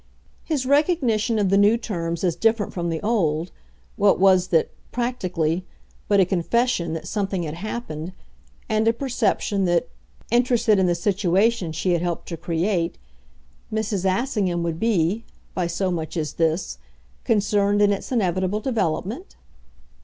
His recognition of the new terms as different from the old, what was that, practically, but a confession that something had happened, and a perception that, interested in the situation she had helped to create, Mrs. Assingham would be, by so much as this, concerned in its inevitable development?